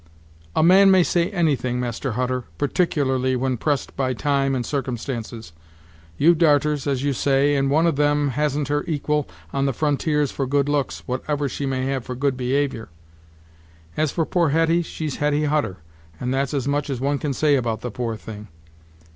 "A man may say anything, Master Hutter, particularly when pressed by time and circumstances. You've darters, as you say, and one of them hasn't her equal on the frontiers for good looks, whatever she may have for good behavior. As for poor Hetty, she's Hetty Hutter, and that's as much as one can say about the poor thing.